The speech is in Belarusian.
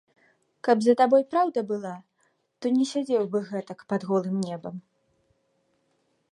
Каб за табой праўда была, то не сядзеў бы гэтак пад голым небам.